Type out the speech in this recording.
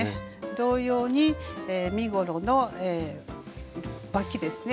同様に身ごろのわきですね。